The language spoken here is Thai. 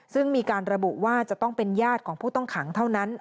ซึ่งมีการระบุว่าจะต้องเป็นญาติของผู้ต้องขังเท่านั้น